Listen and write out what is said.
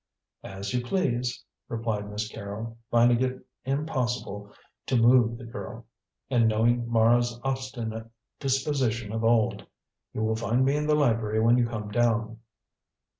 "As you please," replied Miss Carrol, finding it impossible to move the girl, and knowing Mara's obstinate disposition of old, "you will find me in the library when you come down."